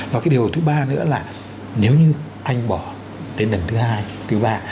và cái điều thứ ba nữa là nếu như anh bỏ đến lần thứ hai thứ ba